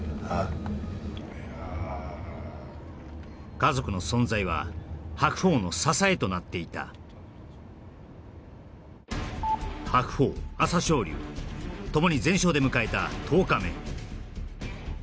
家族の存在は白鵬の支えとなっていた白鵬朝青龍ともに全勝で迎えた１０日目